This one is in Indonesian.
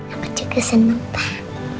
aku juga seneng pak